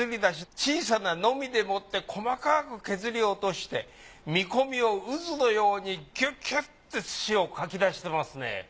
小さなノミでもって細かく削り落として見込みを渦のようにギュッギュッて土をかき出してますね。